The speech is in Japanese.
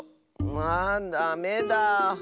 ああダメだ。